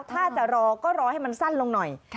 ถ้าจะรอก็รอให้มันสั้นลงหน่อย